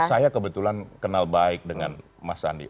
saya kebetulan kenal baik dengan mas sandi